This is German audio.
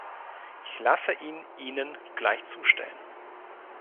Ich lasse ihn Ihnen gleich zustellen.